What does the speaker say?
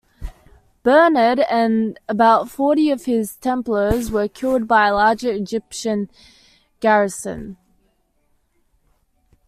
Bernard and about forty of his Templars were killed by the larger Egyptian garrison.